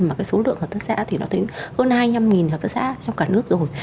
mà cái số lượng hợp tác xã thì nó tới hơn hai mươi năm hợp tác xã trong cả nước rồi